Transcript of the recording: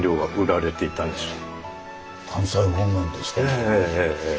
ええええええええ。